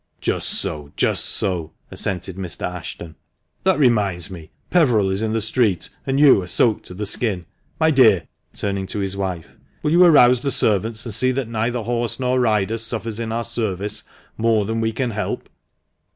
"Just so, just so," assented Mr. Ashton. "That reminds me, Peveril is in the street, and you are soaked to the skin. My dear" — turning to his wife — "will you arouse the servants, and see that neither horse nor rider suffers in our service more than we can help